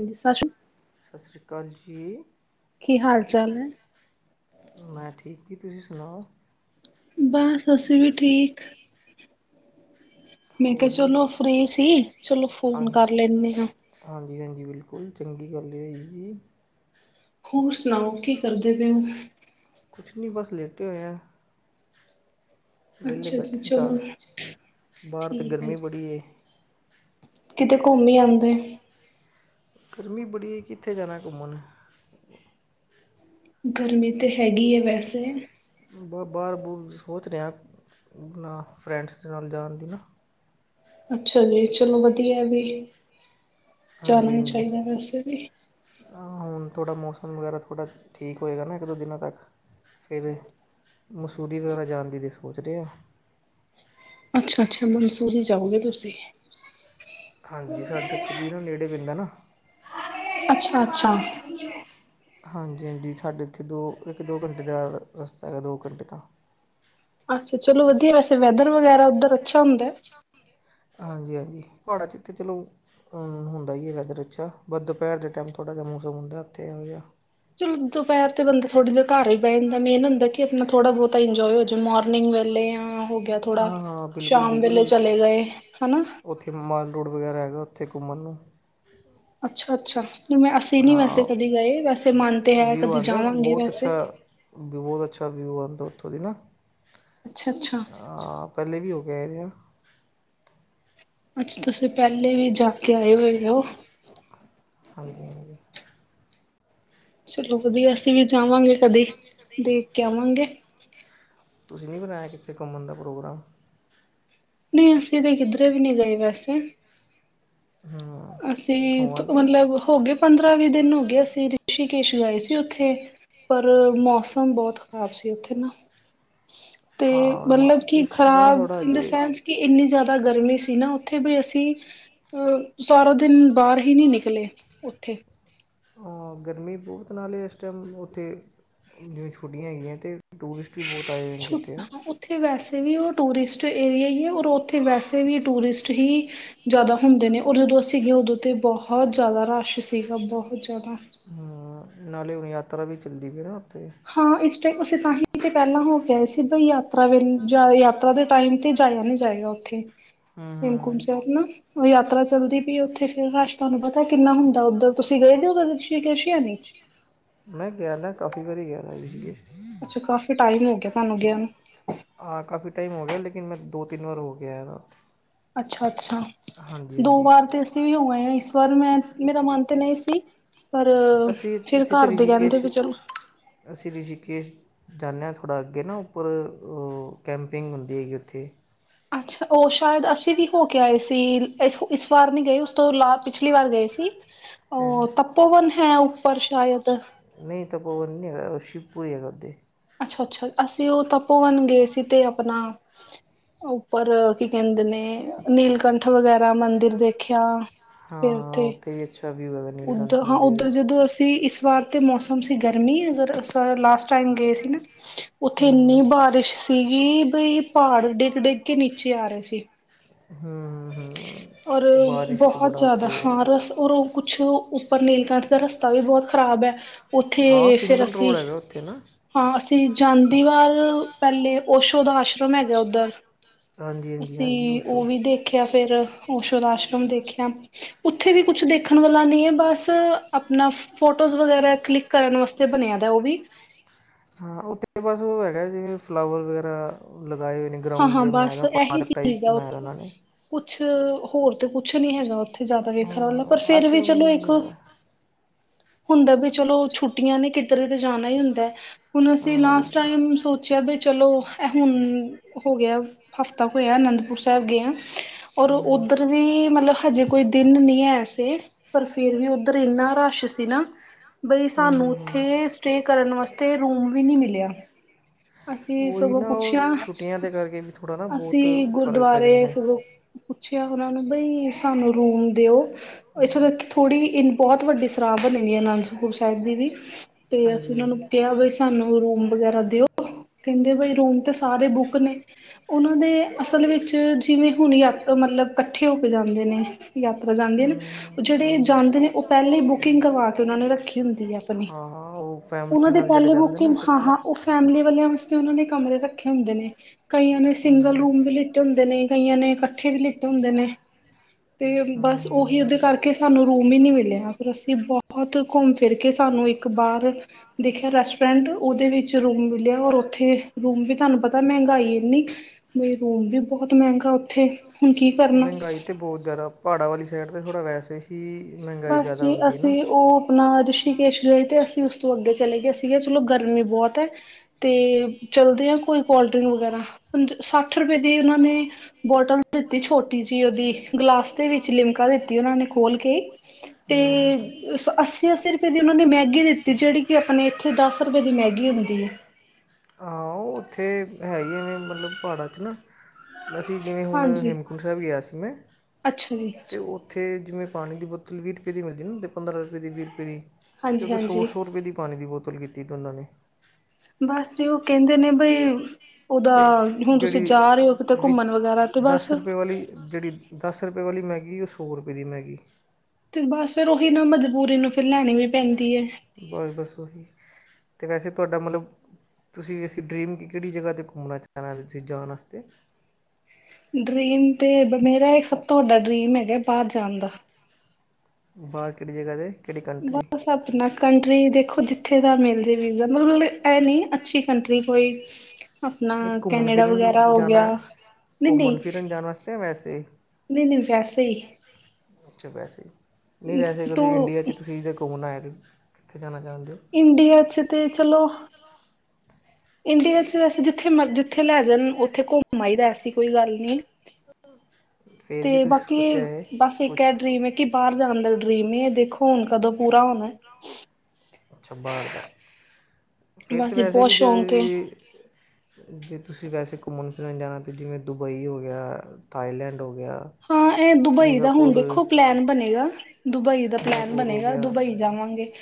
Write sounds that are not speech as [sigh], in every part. ਹਾਂਜੀ। ਸਤਿ ਸ੍ਰੀ ਅਕਾਲ ਸਤਿ ਸ੍ਰੀ ਅਕਾਲ ਜੀ। ਕੀ ਹਾਲ ਚਾਲ ਹੈ? ਮੈਂ ਠੀਕ ਜ ਤੁਸੀਂ ਸੁਣਾਓ। ਬਸ ਅਸੀ ਵੀ ਠੀਕ। ਮੈਂ ਕਿਹਾ ਹੋਰ ਜੀ ਚਲੋ ਫ੍ਰਰੀ ਸੀ। ਚਲੋ ਫੋਨ ਕਰ ਲੈਂਦੇ ਹਾਂ। ਹਾਂਜੀ-ਹਾਂਜੀ ਬਿਲਕੁਲ ਚੰਗੀ ਗੱਲ ਇਹ ਹੈ। ਜ ਜੀ। ਹੋਰ ਸੁਣਾਓ ਕੀ ਕਰਦੇ ਪਾਏ ਉਹ। ਕੁਛ ਨਹੀਂ ਬਸ ਲੇਟੇ ਹੋਏਐ ਵੇਲੇ ਅੱਛਾ ਜੀ ਬੈਠੇ ਚਲੋ ਬਾਹਰ ਤੇ ਠੀਕ ਹੈ ਗਰਮੀ ਜੀ। ਬੜੀ ਹੈ। ਕਿਤੇ ਕੌਮੀ ਆਉਂਦੇ। ਗਰਮੀ ਬੜੀ ਕਿੱਥੇ ਜਾਣਾ ਘੁੰਮਣ ਗਰਮੀ ਤੋਂ ਹੈਗੀ ਹ ਵੈਸੇ। ਬਾਬਾ ਸੋਚ ਰਿਹਾ ਨਾ। ਫਰੈਂਡਸ ਨਾਲ ਜਾਣਦੀ ਨਾ। ਅੱਛਾ ਜੀ ਚਲੋ ਵਧੀਆ ਵੀ। ਜਾਣਾ ਹਾਂਜੀ - ਹੀ ਚਾਹੀਦਾ ਵੈਸੇ ਵੀ ਹਾਂਜੀ ਥੋੜਾ ਮੌਸਮ ਵਗੈਰਾ ਤੁਹਾਡਾ ਠੀਕ ਹੋਏਗਾ ਨਾ। ਇੱਕ- ਦੋ ਦਿਨਾਂ ਤੱਕ ਫਿਰ ਮਸੂਰੀ ਵਗੈਰਾ ਜਾਣ ਦੀ ਵੀ ਸੋਚ ਰਿਹਾ। ਅੱਛਾ - ਅੱਛਾ ਮਨਸੂ ਨੀ ਜਾਗੀਓਗੇ ਤੁਸੀਂ ਹਾਂਜੀ। ਕਤੀਰਾ ਨੇੜੇ ਪੈਂਦਾ ਨਾ ਅੱਛਾ- ਅੱਛਾ ਹਾਂਜੀ - ਹਾਂਜੀ ਸਾਡੇ ਇਥੇ ਦੋ ਇਕ- ਦੋ ਘੰਟੇ ਦਾ ਰਸਤਾ ਦੋ ਘੰਟੇ ਕੰਮ ਅੱਛਾ ਚਲੋ ਵਧੀਆ। ਵੈਸੇ ਵੈਦਰ ਵਗੈਰਾ ਉਧਰ ਅੱਛਾ ਹੁੰਦਾ। ਹਾਂਜੀ - ਹਾਂਜੀ ਹੁੰਦਾ ਜੀ। ਰਚਾ ਬ ਦੁਪਹਿਰ ਦੇ ਟਾਈਮ ਥੋੜਾ ਦੁਪਹਿਰ ਤੇ ਬੰਦੇ ਥੋੜੀ ਦੇ ਘਰ ਹੀ ਬਹਿ ਜਾਂਦਾ। ਮੇਨ ਹੁੰਦਾ ਕਿ ਆਪਣਾ ਥੋੜਾ ਬਹੁਤਾ ਇਨਜੋਏ ਹੋ ਜਾ ਮਾਰਨਿੰਗ ਵੇਲੇ ਆ। ਆਹ ਹੋ ਗਿਆ। ਥੋੜਾ ਹਾਂ ਹਾਂ ਬਿਲਕੁਲ ਸ਼ਾਮ ਵੇਲੇ ਬਿਲਕੁਲ ਚਲੇ ਗਏ ਹਨਾ। ਉੱਥੇ ਮਾਲ ਰੋਡ ਵਗੈਰਾ ਹੈਗਾ। ਉੱਥੇ ਘੁੰਮਣ ਨੂੰ ਅੱਛਾ - ਅੱਛਾ ਹੁਣ ਮੈਂ ਅਸੀਂ ਨਹੀਂ ਵੈਸੇ ਹਾਂ ਕਦੀ ਗਏ। ਵੈਸੇ ਵਿਊ ਆਉਂਦਾ ਬਹੁਤ ਅੱਛਾ ਬਹੁਤ ਅੱਛਾ ਹਨਾ ਅੱਛਾ - ਅੱਛਾ ਪਹਿਲੇ ਵੀ ਹੋ ਗਏ ਆ। ਤੁਸੀਂ ਪਹਿਲੇ ਵੀ ਜਾ ਕੇ ਆਏ ਹੋਏ ਹੋ। ਹਾਂਜੀ - ਹਾਂਜੀ ਚਲੋ ਵਧੀਆ। ਅਸੀਂ ਵੀ ਜਾਵਾਂਗੇ ਕਦੇ ਦੇਖ ਆਵਾਗੇ ਤੁਸੀਂ ਵੀ ਬਣਾਇਆ। ਕਿੱਥੇ ਘੁੰਮਣ ਦਾ ਪ੍ਰੋਗਰਾਮ? ਨਹੀਂ। ਅਸੀ ਤੇ ਕਿਧਰੇ ਵੀ ਨਹੀਂ ਗਏ ਵੈਸੇ ਹਮ। ਅਸੀਂ ਮਤਲਬ ਹੋ ਗਏ ਪੰਦਰਾਂ ਵੀਹ ਦਿਨ ਹੋ ਗਏ ਅਸੀਂ ਰਿਸ਼ੀ- ਕੇਸ਼ ਗਏ ਸੀ। ਉੱਥੇ ਪਰ ਮੌਸਮ ਬਹੁਤ ਖ਼ਰਾਬ ਸੀ। ਉੱਥੇ ਨਾ ਤੇ ਹਾਂ ਮਤਲਬ ਕਿ ਰਿਸ਼ੀਕੇਸ਼ ਨਾ ਖ਼ਰਾਬ ਥੋੜਾ ਇਨ ਦਾ ਜੇ ਸੈਂਸ। ਕਿ ਇੰਨੀ ਜ਼ਿਆਦਾ ਗਰਮੀ ਸੀ ਨਾ ਉੱਥੇ ਵੀ ਅਸੀਂ ਅਹ। ਸਾਰਾ ਦਿਨ ਬਾਹਰ ਹੀ ਨੀ। ਨਿਕਲੇ ਉੱਥੇ। ਗਰਮੀ ਬਹੁਤ ਨਾਲ। ਇਸ ਟਾਈਮ ਉੱਥੇ ਜਿਵੇਂ ਛੁਟੀਆਂ ਹੈਗੀਆਂ। ਅਤੇ ਟੂਰਿਸਟ ਬੀ ਬਹੁਤ ਆਏ ਹੋ ਗਏ ਹਨ। ਉਥੇ ਵੈਸੇ ਵੀ ਉਹ ਟੂਰਿਸਟ ਏਰੀਆ ਹੀ ਹੈ। ਔਰ ਉੱਥੇ ਵੈਸੇ ਵੀ ਟੂਰਿਸਟ ਹੀ ਜਿਆਦਾ ਹੁੰਦੇ। ਨੇ ਔਰ ਜਦੋਂ ਸੀਗੇ ਉਦੋਂ ਤੇ ਬਹੁਤ ਜਿਆਦਾ ਰਸ਼ ਸੀਗਾ ਬਹੁਤ ਜਿਆਦਾ ਹਾਂ। ਨਾਲੇ ਯਾਤਰਾ ਵੀ ਚੱਲੀਏ ਉੱਥੇ ਹਾਂ। ਇਸ ਟਾਈਮ ਤੇ ਪਹਿਲਾਂ ਹੋ ਗਏ ਸੀ। ਬਈ ਯਾਤਰਾ ਦੇ ਟਾਈਮ ਤੇ ਜਾਇਆ ਨਹੀਂ ਜਾਏਗਾ ਉਥੇ ਹੂੰ ਹੇਮਕੁਮ ਹੂੰ ਸਾਹਿਬ ਸਰਨਾ ਉਹ ਯਾਤਰਾ ਚੱਲਦੀ ਪਈ ਉਥੇ ਫਿਰ ਰਾਸਤਾ ਨੂੰ ਪਤਾ ਕਿੰਨਾ ਹੁੰਦਾ ਉਧਰ ਤੁਸੀਂ ਗਏ ਹੋ। ਮੈਂ ਕਿਹਾ ਨਾ ਕਾਫੀ ਵਾਰੀ ਕਹਿਦਾ। ਅੱਛਾ ਕਾਫੀ ਟਾਈਮ ਹੋ ਗਿਆ। ਤੁਹਾਨੂੰ ਹਾਂ ਕਾਫੀ ਟਾਈਮ ਹੋ ਗਿਆ ਲੇਿ ਮੈਂ ਦੋ - ਤਿੰਨ ਵਾਰ ਹੋ ਗਿਆ ਹੈ ਨਾ। ਅੱਛਾ ਅੱਛਾ ਹਾਂਜੀ ਦੋ ਹਾਂਜੀ ਵਾਰ ਤੇ ਅਸੀਂ ਵੀ ਹੋਏ ਆ ਇਸ ਵਾਰ ਮੈਂ ਮੇਰਾ ਮਨ ਤੇ ਨਹੀਂ ਸੀ। ਪਰ ਅਸੀਂ ਫਿਰ ਘਰ ਦੇ ਕਹਿੰਦੇ ਚਲੋ। ਅਸੀ ਰਿਸ਼ੀਕੇਸ਼ ਜਾਂਣੇ ਹਾਂ ਥੋੜ੍ਹਾ ਅੱਗੇ ਨਾ ਉੱਪਰ ੳ ਕੈਂਪਿੰਗ ਹੁੰਦੀ ਹੈਗੀ ਉੱਥੇ। ਅੱਛਾ ਉਹ ਸ਼ਾਇਦ ਅਸੀਂ ਵੀ ਹੋ ਕੇ ਆਏ ਸੀ ਇਸ ਇਸ ਵਾਰ ਨਹੀਂ ਗਏ ਉਸ ਤੋਂ ਲਾ ਪਿਛਲੀ ਵਾਰ ਗਏ ਸੀ। ਹੈਂ ਉਹ ਤਪੋਵਨ ਹੈ ਉੱਪਰ ਸ਼ਾਇਦ। ਨਹੀਂ ਤਪੋਵਨ ਨਹੀਂ ਹੈਗਾ ਸ਼ਿਵਪੂਰੀ ਹੈਗਾ ਓਤੇ। ਅੱਛਾ ਅੱਛਾ ਅਸੀਂ ਉਹ ਤਪੋਵਨ ਗਏ ਸੀ ਤੇ ਆਪਣਾ ਉੱਪਰ ਕੀ ਕਹਿੰਦੇ ਨੇ ਨੀਲਕੰਠ ਵਗੈਰਾ ਮੰਦਿਰ ਦੇਖਿਆ। ਹਾਂ ਹਾਂ ਉੱਥੇ ਵੀ ਅੱਛਾ ਵਿਊ ਹੈ। ਉਧਰ ਹਾਂ ਉੱਧਰ ਜਦੋਂ ਅਸੀਂ ਇਸ ਵਾਰ ਤੇ ਮੌਸਮ ਸੀ ਗਰਮੀ ਅਗਰ ਅਸਾ ਲਾਸਟ ਟਾਈਮ ਗਏ ਸੀ ਨਾ ਉੱਥੇ ਇੰਨੀ ਹੂੰ ਬਾਰਿਸ਼ ਸੀਗੀ ਬਈ ਪਹਾੜ ਡਿੱਗ ਡਿੱਗ ਕੇ ਨੀਚੇ ਆ ਰਹੇ ਸੀ। ਹੂੰ। ਔਰ ਹੂੰ ਬਾਰਿਸ਼ 'ਚ ਬਹੁਤ ਬੜਾ ਜ਼ਿਆਦਾ ਉੱਥੇ ਹਾਂ ਰਸ ਔਰ ਕੁਛ ਪਰ ਨੀਲਕੰਠ ਦਾ ਰਸਤਾ ਵੀ ਬਹੁਤ ਖ਼ਰਾਬ ਹੈ ਹਾਂ ਉੱਥੇ ਫਿਰ ਸਿੰਗਲ ਅਸੀਂ ਰੋਡ ਹੈਗਾ ਉੱਥੇ ਨਾ ਹਾਂ ਅਸੀਂ ਜਾਂਦੀ ਵਾਰ ਪਹਿਲੇ ਔਸ਼ੌ ਦਾ ਆਸ਼ਰਮ ਹੈਗਾ ਉੱਧਰ। ਹਾਂਜੀ ਹਾਂਜੀ ਹਾਂਜੀ ਅਸੀਂ ਉਹ ਵੀ ਦੇਖਿਆ ਫੇਿਰ ਔਸੌ ਦਾ ਆਸ਼ਰਮ ਦੇਖਿਆ। ਉੱਥੇ ਵੀ ਕੁਛ ਦੇਖਣ ਵਾਲਾ ਨਹੀਂ ਹੈ ਬਸ ਆਪਣਾ ਫੋਟੋਜ਼ ਵਗੈਰਾ ਕਲਿੱਕ ਕਰਨ ਵਾਸਤੇ ਬਣਿਆ ਦਾ ਉਹ ਵੀ ਹਾਂ ਉਹ ਤੇ ਬਸ ਉਹ ਹੈਗਾ ਜਿਵੇਂ ਫਲਾਵਰ ਵਗੈਰਾ ਲਗਾਏ ਹੋਏ ਨੇ। ਹਾਂ ਗਰਾਉਂਡ ਹਾਂ ਜਿਹਾ ਬਣਾਇਆ ਬਸ ਦਾ ਇਹੀ ਪਾਰਕ ਚੀਜ਼ ਟਾਈਪ ਆ ਬਣਾਇਆ ਦਾ ਉੱਥੇ ਉਨਾ ਨੇ। ਕੁਛ ਹੋਰ ਤੇ ਕੁਛ ਨੀ ਹੈਗਾ ਉੱਥੇ ਜ਼ਿਆਦਾ ਵੇਖਣ ਵਾਲਾ ਪਰ ਹਾਂ ਫੇਰ ਵੀ ਆਸ਼ਰਮ ਚਲੋ ਇੱਕ ਬਣਾਇਆ ਹੁੰਦਾ ਵੀ ਚਲੋ ਛੁੱਟੀਆਂ ਨੇ ਕਿਧਰੇ ਤੇ ਜਾਣਾ ਹੀ ਹੁੰਦਾ ਹੁਣ ਹਾਂ ਅਸੀਂ ਹਾਂ ਲਾਸਟ ਬਿਲਕੁਲ ਟਾਈਮ ਸੋਚਿਆ ਬੀ ਚਲੋ ਇਹ ਹੁਣ ਹੋ ਗਿਆ ਹਫ਼ਤਾ ਹੋਇਆ ਅਨੰਦਪੁਰ ਸਾਹਿਬ ਗਿਯਾ। ਔਰ ਗਏ ਆ ਹੂੰ ਉੱਧਰ ਵੀ ਮਤਲਬ ਹਜੇ ਕੋਈ ਦਿਨ ਨਹੀਂ ਹੈ ਸੀ ਪਰ ਫੇਰ ਵੀ ਉੱਧਰ ਇੰਨਾ ਰਸ਼ ਸੀ ਨਾ ਬਈ ਹੂੰ ਸਾਨੂੰ ਹੂੰ ਹੂੰ ਉੱਥੇ ਸਟੇ ਕਰਨ ਵਾਸਤੇ ਰੂਮ ਵੀ ਨੀ ਮਿਲਿਆ। ਅਸੀਂ ਉਹੀ ਸਗੋਂ ਨਾ ਉਹ ਪੁੱਛਿਆ ਛੁੱਟੀਆਂ ਦੇ ਕਰਕੇ ਵੀ ਥੋੜ੍ਹਾ ਨਾ ਬਹੁਤ ਅਸੀਂ ਫ਼ਰਕ ਪੈ ਗੁਰਦੁਆਰੇ ਜਾਂਦਾ ਹੈ ਸਗੋਂ ਪੁੱਛਿਆ ਉਹਨਾਂ ਨੂੰ ਬਈ ਸਾਨੂੰ ਰੂਮ ਦਿਓ ਇੱਥੋਂ ਹੂੰ ਤੱਕ ਥੋੜ੍ਹੀ ਬਹੁਤ ਵੱਡੀ ਸਰਾਂ ਬਣੀ ਦੀ ਆ ਅਨੰਦਪੁਰ ਸਾਹਿਬ ਦੀ ਵੀ ਤੇ ਅਸੀਂ ਹਾਂਜੀ ਉਹਨਾਂ ਹਾਂਜੀ ਨੂੰ ਕਿਹਾ ਸਾਨੂੰ ਰੂਮ ਵਗੈਰਾ ਦਿਓ ਕਹਿੰਦੇ ਬੲਈ ਰੂਮ ਤੇ ਸਾਰੇ ਬੁੱਕ ਨੇ ਉਹਨਾਂ ਦੇ ਅਸਲ ਵਿੱਚ ਜਿਵੇਂ ਹੁਣ ਆਪ ਮਤਲਬ ਇਕੱਠੇ ਹੋ ਕੇ ਜਾਂਦੇ ਨੇ। ਯਾਤਰਾ ਜਾਂਦੇ ਹੂੰ ਨੇ ਉਹ ਹੂੰ ਜਿਹੜੇ ਹੂੰ ਜਾਂਦੇ ਨੇ ਉਹ ਪਹਿਲਾਂ ਹੀ ਬੁਕਿੰਗ ਕਰਵਾ ਕੇ ਉਹਨਾਂ ਨੇ ਰੱਖੀ ਹੁੰਦੀ ਆ। ਹਾਂ ਹਾਂ, ਉਹ ਉਹਨਾਂ ਫੈਮਿਲੀ ਦੇ ਨਾਲ ਜਿਹੜੇ ਪਹਿਲੇ ਜਾਂਦੇ ਨਾ ਬੂਕਿੰਗ ਹਾਂ ਇਕੱਠੇ ਹਾਂ ਉਹ ਫੈਮਿਲੀ ਵਾਲਿਆਂ ਵਾਸਤੇ ਉਹਨਾਂ ਨੇ ਕਮਰੇ ਰੱਖੇ ਹੁੰਦੇ ਨੇ। ਕਈਆਂ ਨੇ ਕਿੰਨੇ ਸਿੰਗਲ ਹੁੰਦੇ ਨੇ। ਰੂਮ ਵੀ ਲਿੱਤੇ ਹੁੰਦੇ ਨੇ ਕਈਆਂ ਨੇ ਇਕੱਠੇ ਵੀ ਲਿੱਤੇ ਹੁੰਦੇ ਨੇ। ਤੇ ਬਸ ਉਹੀ ਹੂੰ ਉਹਦੇ ਕਰਕੇ ਸਾਨੂੰ ਰੂਮ ਹੀ ਨਹੀਂ ਮਿਲਿਆ ਫੇਰ ਅਸੀਂ ਬਹੁਤ ਘੁੰਮ ਫੇਰ ਕੇ ਸਾਨੂੰ ਇੱਕ ਬਾਰ ਦੇਖਿਆ ਰੈਸਟੋਰੈਂਟ ਉਹਦੇ ਵਿੱਚ ਰੂਮ ਲਿਆ ਓਰ ਉੱਥੇ ਰੂਮ ਵੀ ਤੁਹਾਨੂੰ ਪਤਾ ਮਹਿੰਗਾਈ ਇੰਨੀ ਮੈ ਰੂਮ ਵੀ ਬਹੁਤ ਮਹਿੰਗਾ ਉੱਥੇ। ਹੁਣ ਕੀ ਕਰਨਾ ਮਹਿੰਗਾਈ ਤਾਂ ਬਹੁਤ ਜ਼ਿਆਦਾ ਪਹਾੜਾਂ ਵਾਲੀ ਸਾਈਡ ਤਾਂ ਥੋੜ੍ਹਾ ਵੈਸੇ ਹੀ ਕਿ ਮਹਿੰਗਾਈ ਬਸ ਜ਼ਿਆਦਾ ਜੀ ਹੁੰਦੀ ਨਾ। ਅਸੀਂ ਉਹ ਆਪਣਾ ਰਿਸ਼ੀਕੇਸ਼ ਗਏ ਤੇ ਅਸੀਂ ਉਸ ਤੋਂ ਅੱਗੇ ਚਲੇ ਗਏ ਅਸੀ ਕਿਯਾ ਚਲੋ ਗਰਮੀ ਬਹੁਤ ਹੈ। ਤੇ ਚਲਦੇ ਆ ਕੋਈ ਕੋਲਡ ਡਰਿੰਕ ਵਗੈਰਾ ਪੰਜ ਸੱਠ ਰੁਪਏ ਦੀ ਇਹਨਾਂ ਨੇ ਬੋਟਲ ਦਿੱਤੀ ਛੋਟੀ ਜਿਹੀ ਉਹਦੀ ਗਲਾਸ ਦੇ ਵਿੱਚ ਲਿਮਕਾ ਦਿੱਤੀ ਉਹਨਾਂ ਨੇ ਖੋਲ ਕੇ ਤੇ ਹੂੰ। ਅੱਸੀ ਅੱਸੀ ਰੁਪਏ ਦੀ ਉਹਨਾਂ ਨੇ ਮੈਗੀ ਦਿੱਤੀ ਜਿਹੜੀ ਕਿ ਆਪਣੇ ਇੱਥੇ ਦਸ ਰੁਪਏ ਦੀ ਮੈਗੀ ਹੁੰਦੀ ਹੈ। ਹਾਂ ਉਹ ਉੱਥੇ ਹੈਗੇ ਨੇ ਮਤਲਬ ਪਹਾੜਾਂ 'ਚ ਨਾ ਅਸੀਂ ਜਿਵੇਂ ਹੁਣ ਹਾਂਜੀ ਹੇਮਕੁੰਟ ਸਾਹਿਬ ਗਿਆ ਸੀ। ਮੈਂ ਅੱਛਾ ਜੀ ਤੇ ਉ ਉੱਥੇ ਜਿਵੇਂ ਪਾਣੀ ਦੀ ਬੋਤਲ ਵੀਹ ਰੁਪਏ ਦੀ ਮਿਲਦੀ ਨਾ। ਅਤੇ ਪੰਦਰਾਂ ਰੁਪਏ ਦੀ - ਵੀਹ ਰੁਪਏ ਦੀ। ਤੇ ਹਾਂਜੀ ਓਥੇ ਸੌ ਹਾਂਜੀ - ਸੌ ਰੁਪਏ ਦੀ ਪਾਣੀ ਦੀ ਬੋਤਲ ਕੀਤੀ ਦੀ ਉਹਨਾਂ ਨੇ ਬਸ ਜੀ ਉਹ ਕਹਿੰਦੇ ਨੇ ਬਈ ਉਹਦਾ ਤੇ ਹੁਣ ਤੁਸੀਂ ਜਿਹੜੀ। ਜਾ ਰਹੇ ਹੋ ਕਿਤੇ ਵੀ ਘੁੰਮਣ ਵਗੈਰਾ ਤੇ ਦਸ ਬਸ ਰੁਪਏ ਵਾਲੀ ਜਿਹੜੀ ਦਸ ਰੁਪਏ ਵਾਲੀ ਮੈਗੀ। ਉਹ ਸੌ ਰੁਪਏ ਦੀ ਮੈਗੀ। ਤੇ ਬਸ ਫੇਰ ਉਹੀ ਨਾ ਮਜਬੂਰੀ ਨੂੰ। ਫੇਰ ਲੈਣੀ ਵੀ ਪੈਂਦੀ ਹੈ। ਬਸ - ਬਸ ਓਹੀ ਤੇ ਵੈਸੇ ਤੁਹਾਡਾ ਮਤਲਬ ਤੁਸੀਂ ਅਸੀਂ ਡਰੀਮ ਕਿ ਕਿਹੜੀ ਜਗ੍ਹਾ 'ਤੇ ਘੁੰਮਣਾ ਚਾਹੁੰਣਾ ਤੁਸੀਂ ਜਾਣ ਵਾਸਤੇ ਡਰੀਮ ਤੇ। ਮੇਰਾ ਸਭ ਤੋਂ ਵੱਡਾ ਡਰੀਮ ਹੈਗਾ ਬਾਹਰ ਜਾਣ ਦਾ। ਬਾਹਰ ਕਿਹੜੀ ਜਗ੍ਹਾ ਤੇ ਕਿਹੜੀ ਕੰਟਰੀ? ਬਸ ਆਪਣਾ ਕੰਟਰੀ ਦੇਖੋ ਜਿੱਥੇ ਦਾ ਮਿਲ ਜੇ ਵੀਜ਼ਾ ਮਤਲਲਬ ਹੈ। ਨਹੀਂ ਅੱਛੀ ਕੰਟਰੀ। [unintelligible] ਨਹੀਂ ਘੁੰਮਣ ਕੈਨੇਡਾ ਵਗੈਰਾ ਫਿਰਨ ਹੋ ਗਿਆ। ਜਾਣਾ ਘੁੰਮਣ - ਫਿਰਨ ਜਾਣ। ਵਾਸਤੇ ਯਾ ਵੈਸੇ ਨਹੀਂ ਨਹੀਂ ਵੈਸੇ ਹੀ। ਅੱਛਾ ਵੈਸੇ ਨਹੀਂ ਵੈਸੇ ਟੂ ਅਗਰਂ ਇੰਡੀਆ 'ਚ ਤੁਸੀਂ ਜੇ ਘੂਮਣਾ ਹੈ। ਤੇ ਕਿੱਥੇ ਜਾਣਾ ਚਾਹੁੰਦੇ ਹੋ? ਇੰਡੀਆ ਚ ਤੇ ਚਲੋ। ਇੰਡੀਆ ਚ ਵੈਸੇ ਜਿੱਥੇ ਮ ਜਿੱਥੇ ਲੈ ਜਾਣ ਉੱਥੇ ਘੁੰਮ ਆ ਹੀਦਾ। ਐਸੀ ਕੋਈ ਗੱਲ ਨਹੀਂ। ਫਿਰ ਵੀ ਤੇ ਤੁਸੀਂ ਬਾਕੀ ਸੋਚਿਆ ਹੈ ਬਸ ਇੱਕ ਕੁਛ ਇਹ ਡਰੀਮ ਹੈ। ਕਿ ਬਾਹਰ ਜਾਣ ਦਾ ਡਰੀਮ ਏ ਦੇਖੋ। ਹੁਣ ਕਦੋਂ ਪੂਰਾ ਹੋਣਾ। ਅੱਛਾ ਬਾਹਰ ਦਾ ਫੇਰ ਬਸ ਤਾਂ ਜੀ ਵੈਸੇ ਬਹੁਤ ਵੀ। ਸ਼ੌਕ ਏ। [unintelligible] ਜੇ ਤੁਸੀਂ ਵੈਸੇ ਘੁੰਮਣ ਫਿਰਨ ਜਾਣਾ ਤਾਂ ਜਿਵੇਂ 'ਦੁਬਈ ਹੋ ਗਿਆ 'ਥਾਈਲੈਂਡ ਹੋ ਗਿਆ। ਹਾਂ ਇਹ ਦੁਬਈ ਦਾ ਹੁਣ ਸਿੰਗਾਪੁਰ ਦੇਖੋ ਪਲੈਨ ਬਣੇਗਾ। ਦੁਬਈ ਦਾ ਪਲੈਨ ਸਿੰਗਾਪੁਰ ਹੋ ਬਣੇਗਾ ਗਿਆ ਦੁਬਈ ਜਾਵਾਂਗੇ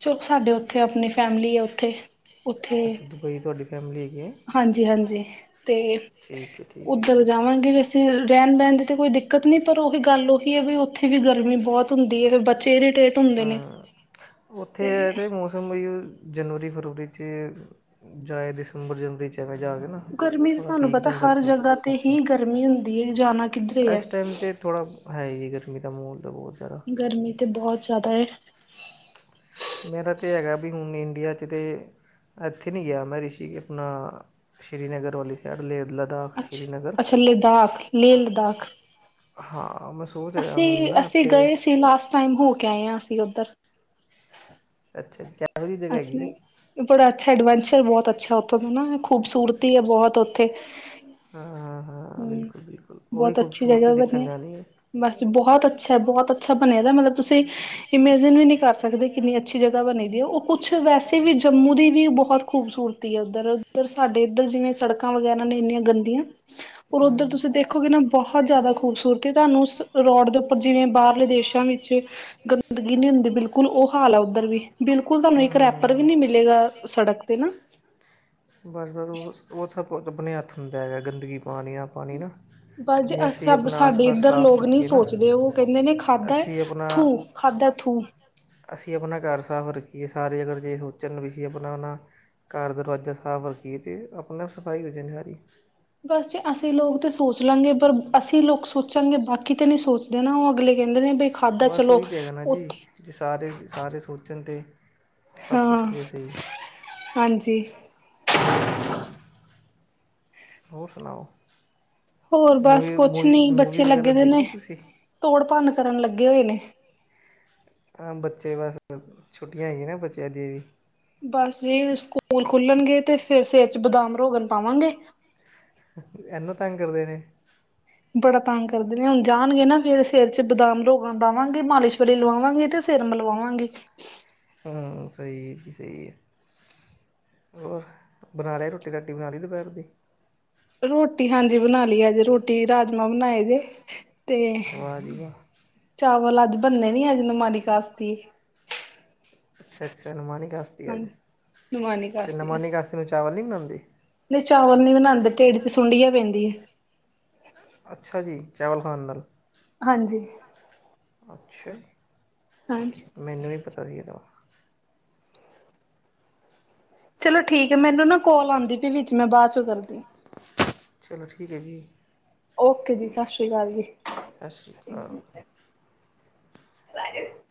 ਚਲੋ ਸਾਡੇ ਉੱਥੇ ਆਪਣੀ ਫੈਮਿਲੀ ਹੈ। ਉੱਥੇ ਉੱਥੇ ਅੱਛਾ ਦੁਬਈ ਤੁਹਾਡੀ ਫੈਮਿਲੀ ਹੈਗੀ ਹੈ ਹਾਂਜੀ - ਹਾਂਜੀ ਤੇ ਠੀਕ ਹੈ ਠੀਕ ਹੈ ਉੱਧਰ ਜਾਵਾਂਗੇ ਰਹਿਣ। [unintelligible] ਤੇ ਕੋਈ ਦਿੱਕਤ ਨਹੀਂ ਪਰ ਉਹੀ ਗੱਲ ਉਹੀ ਹੈ। ਵੀ ਉੱਥੇ ਵੀ ਗਰਮੀ ਬਹੁਤ ਹੁੰਦੀ ਹੈ। ਫੇਰ ਬੱਚੇ ਇਰੀਟੇਟ ਹੁੰਦੇ ਨੇ। ਹਾਂ ਉੱਥੇ ਇਹ ਤੇ ਜਨਵਰੀ -ਫਰਵਰੀ ਚ ਜਾਇ ਦਿਸੰਬਰ ਜਨਵਰੀ ਚ। ਜਗ੍ਹਾ ਜਾ ਕੇ ਨਾ ਗਰਮੀ ਥੋੜ੍ਹਾ ਤੁਹਾਨੂੰ ਠੀਕ ਪਤਾ ਰਹਿੰਦਾ ਹਰ ਉੱਥੇ। ਜਗ੍ਹਾ ਤੇ ਹੀ ਗਰਮੀ ਹੁੰਦੀ ਹੈ। ਜਾਣਾ ਕਿੱਧਰੇ ਹੈ। ਇਸ ਟਾਈਮ ਤੇ ਥੋੜ੍ਹਾ ਹੈ ਜੀ ਗਰਮੀ ਦਾ ਮਾਹੌਲ ਤਾਂ ਬਹੁਤ ਜ਼ਿਆਦਾ ਗਰਮੀ ਤੇ ਬਹੁਤ ਜ਼ਿਆਦਾ ਹੈ। ਮੇਰਾ ਤਾਂ ਹੈਗਾ ਵੀ ਹੁਣ ਇੰਡੀਆ ਚ ਤੇ। ਇੱਥੇ ਨੀ ਗਿਆ ਮੈਂ ਰਿਸ਼ੀ ਆਪਣਾ ਸ਼੍ਰੀਨਗਰ ਵਾਲੀ ਸਾਇਡ ਲੇਹ। ਲਦਾਖ ਅੱਛ ਸ਼੍ਰੀਨਗਰ - ਅੱਛਾ ਲਦਾਖ ਲੇਹ ਲਦਾਖ। ਹਾਂ ਬਸ। ਅਸੀਂ- ਅਸੀਂ ਗਏ ਸੀ। ਲਾਸਟ ਟਾਈਮ ਹੋ ਕੇ ਆਏ ਹਾਂ ਅਸੀਂ ਉੱਧਰ। ਅੱਛਾ ਜੀ। ਕਿਹੋ ਜਿਹੀ ਜਗ੍ਹਾ ਹੈਗੀ [unintelligible] ਬੜਾ ਅੱਛਾ ਐਡਵੈਂਚਰ ਬਹੁਤ ਅੱਛਾ। ਉੱਥੋਂ ਦਾ ਨਾ ਖੂਬਸੂਰਤੀ ਹੈ ਬਹੁਤ ਉੱਥੇ ਹਾਂ- ਹਾਂ ਹਾਂ ਹਮ ਬਿਲਕੁਲ - ਬਿਲਕੁਲ ਉਹੀ ਬਹੁਤ ਅੱਛੀ ਖੂਬਸੂਰਤੀ ਜਗ੍ਹਾ ਦੇਖਣ ਬਣੀ ਜਾਣੀ ਹੈ। ਬਸ ਬਹੁਤ ਅੱਛਾ ਬਹੁਤ ਅੱਛਾ ਬਣਿਆਦਾ ਮਤਲਬ ਤੁਸੀਂ ਇਮੇਜਿਨ ਵੀ ਨਹੀਂ ਕਰ ਸਕਦੇ। ਕਿੰਨੀ ਅੱਛੀ ਜਗ੍ਹਾ ਬਣੀ ਦੀ ਹੈ ਉਹ ਕੁਛ ਵੈਸੇ ਵੀ ਜੰਮੂ ਦੀ ਵੀ ਬਹੁਤ ਖੂਬਸੂਰਤੀ ਹੈ। ਉੱਧਰ- ਉਧਰ ਸਾਡੇ ਇੱਧਰ ਜਿਵੇਂ ਸੜਕਾਂ ਵਗੈਰਾ ਨੇ ਇੰਨੀਆਂ ਗੰਦੀਆਂ। ਔਰ ਉੱਧਰ ਹੂੰ ਤੁਸੀਂ ਦੇਖੋਗੇ ਨਾ ਬਹੁਤ ਜ਼ਿਆਦਾ ਖੂਬਸੂਰਤੀ। ਤੁਹਾਨੂੰ ਉਸ ਰੋਡ ਦੇ ਉੱਤੇ ਜਿਵੇਂ ਬਾਹਰਲੇ ਦੇਸ਼ਾਂ ਵਿੱਚ ਗੰਦਗੀ ਨੀ ਹੁੰਦੀ। ਬਿਲਕੁਲ ਉਹ ਹਾਲ ਹੈ ਉੱਧਰ ਵੀ ਬਿਲਕੁਲ ਤੁਹਾਨੂੰ ਇੱਕ ਰੈਪਰ ਵੀ ਨੀ ਮਿਲੇਗਾ। ਸੜਕ ਤੇ ਨਾ ? ਬਸ - ਬਸ ਉਹ ਸਭ ਆਪਣੇ ਹੱਥ ਹੁੰਦਾ ਹੈਗਾ। ਗੰਦਗੀ ਪਾਉਣੀ ਨਾ ਪਾਉਣੀ ਨਾ। ਬਸ ਜੀ ਜੇ ਅਸੀ ਅਸੀਂ ਆਪਣਾ ਸਾਡੇ ਆਸ-ਪਾਸ ਇੱਧਰ ਸਾਫ਼ ਲੋਕ ਨਹੀਂ ਰੱਖੀਏ ਨਾ ਸੋਚਦੇ ਉਹ ਕਹਿੰਦੇ ਨੇ ਖਾਧਾ ਹੈ ਅਸੀਂ ਆਪਣਾ ਥੂ। ਖਾਧਾ ਥੂ। ਅਸੀਂ ਆਪਣਾ ਘਰ ਸਾਫ਼ ਰੱਖੀਏ ਸਾਰੇ ਅਗਰ ਜੇ ਸੋਚਣ ਵੀ ਅਸੀਂ ਆਪਣਾ ਨਾ। ਘਰ ਦਰਵਾਜ਼ਾ ਸਾਫ਼ ਰੱਖੀਏ ਤੇ ਆਪਣਾ ਸਫ਼ਾਈ ਹੋ ਜਾਣੀ ਹੈ ਸਾਰੀ। ਬਸ ਜੇ ਅਸੀਂ ਲੋਕ ਤਾਂ ਸੋਚ ਲਾਂਗੇ ਪਰ ਅਸੀਂ ਲੋਕ ਸੋਚਾਂਗੇ ਬਾਕੀ ਤਾਂ ਨਹੀਂ ਸੋਚਦੇ ਨਾ ਉਹ ਅਗਲੇ। ਕਹਿੰਦੇ ਨੇ ਬਈ ਖਾਧਾ ਬਸ ਚਲੋ ਉਹੀ ਤਾਂ ਹੈਗਾ ਨਾ ਜੀ ਉੱਥੇ। ਸਾਰੇ ਜੇ ਸਾਰੇ ਸੋਚਣ 'ਤੇ। ਹਾਂ ਹਾਂਜੀ। ਹੋਰ ਹੋਰ ਸੁਣਾਓ। ਹੋਰ ਬਸ ਮੂਵੀ ਕੁਛ ਮੂਵੀ ਨੀ ਮੂਵੀ ਬੱਚੇ ਵਗੈਰਾ ਲੱਗੇ ਦੇ ਨੇ ਦੇਖਦੇ ਤੁਸੀਂ ਤੋੜ ਭੰਨ ਕਰਨ ਲੱਗੇ ਹੋਏ ਨੇ। ਅਹ ਬੱਚੇ ਬਸ ਛੁੱਟੀਆਂ ਹੈਗੀਆਂ ਨਾ ਬੱਚਿਆਂ ਦੀਆਂ ਵੀ। ਬਸ ਜੇ ਸਕੂਲ ਖੁੱਲਣਗੇ ਤੇ ਫਿਰ ਸਿਰ 'ਚ ਬਦਾਮ ਰੋਗਣ ਪਾਵਾਂਗੇ। ਐਨਾਂ ਤੰਗ ਕਰਦੇ ਨੇ। ਬੜਾ ਤੰਗ ਕਰਦੇ ਨੇ ਹੁਣ ਜਾਣਗੇ ਨਾ ਫੇਰ ਸਿਰ 'ਚ ਬਦਾਮ ਰੋਗਣ ਲਵਾਂਗੇ ਮਾਲਿਸ਼ ਵਾਲੀ ਲਵਾਵਾਂਗੇ ਤੇ ਸਿਰ ਮਲਵਾਵਾਂਗੇ। ਹਾਂ ਸਹੀ ਹੈ ਜੀ ਸਹੀ ਹੈ। ਹੋਰ ਬਣਾ ਲਿਆ ਰੋਟੀ ਰੁਟੀ ਬਣਾ ਲਈ ਦੁਪਹਿਰ ਦੀ। ਰੋਟੀ ਹਾਂਜੀ ਬਣਾ ਲਈਏ ਅੱਜ ਰੋਟੀ ਰਾਜਮਾਂ ਬਣਾਏ ਜੇ। ਤੇ ਵਾਹ ਜੀ ਵਾਹ ਚਾਵਲ ਅੱਜ ਬਣਨੇ ਨੀ ਅੱਜ ਨਮਾਨੀ ਕਾਸਤੇ ਹੈ। ਅੱਛਾ ਅੱਛਾ ਨਮਾਨੀ ਕਾਸਤੀ ਹੈ। ਅੱਜ ਹਾਂਜੀ। ਨਮਾਨੀ ਅੱਛਾ ਕਾਸਤੀ ਆ ਨਮਾਨੀ ਕਾਸਤੀ ਨੂੰ ਚਾਵਲ ਨਹੀਂ ਬਣਾਉਂਦੀ। ਨਹੀਂ ਚਾਵਲ ਨੀ ਬਣਾਉਂਦੇ ਢਿੱਡ 'ਚ ਸੁੰਡੀਆ ਪੈਂਦੀਆਂ ਹੈ। ਅੱਛਾ ਜੀ ਚਾਵਲ ਖਾਣ ਨਾਲ। ਹਾਂਜੀ। ਅੱਛਾ। ਹਾਂਜੀ। ਮੈਨੂੰ ਨਹੀਂ ਪਤਾ ਸੀ ਇਹਦਾ। ਚਲੋ ਠੀਕ ਹੈ ਮੈਨੂੰ ਨਾ ਕੋਲ ਆਉਂਦੀ ਪਈ ਆਂ ਵਿੱਚ ਮੈਂ ਬਾਅਦ ਚੋਂ ਕਰਦੀ ਹਾਂ। ਚਲੋ ਠੀਕ ਹੈ ਜੀ। ਓਕੇ ਜੀ ਸਤਿ ਸ਼੍ਰੀ ਅਕਾਲ ਜੀ। ਸਤਿ ਸ਼੍ਰੀ ਅਕਾਲ। [unintelligible]